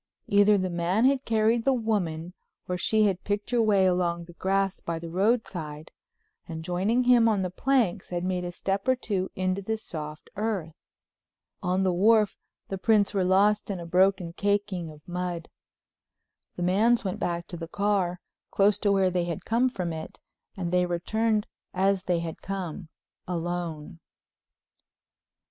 Either the man had carried the woman or she had picked her way along the grass by the roadside, and joining him on the planks had made a step or two into the soft earth. On the wharf the prints were lost in a broken caking of mud. The man's went back to the car, close to where they had come from it, and they returned as they had come—alone.